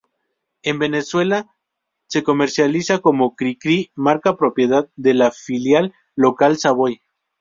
En Venezuela se comercializa como Cri Cri, marca propiedad de la filial local Savoy.